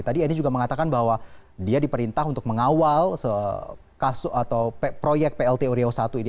tadi eni juga mengatakan bahwa dia diperintah untuk mengawal kasus atau proyek plt uriau i ini